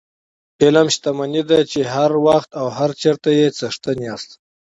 علم شتمني ده چې هر وخت او هر چېرته یې څښتن یاست.